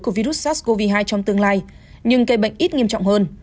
của virus sars cov hai trong tương lai nhưng cây bệnh ít nghiêm trọng hơn